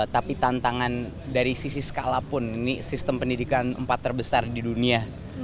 tapi tantangan dari sisi skala pun ini sistem pendidikan empat terbesar di dunia